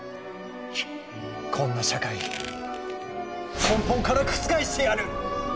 「こんな社会根本から覆してやる！」。